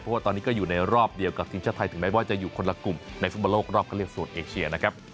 เพราะว่าตอนนี้ก็อยู่ในรอบเดียวกับทีมชาติไทยถึงแม้ว่าจะอยู่คนละกลุ่มในฟุตบอลโลกรอบคันเลือกโซนเอเชียนะครับ